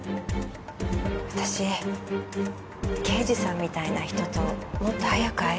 私刑事さんみたいな人ともっと早く会えればよかった。